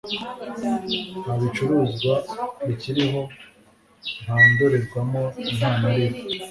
nta bicuruzwa bikiriho nta ndorerwamo nta na lift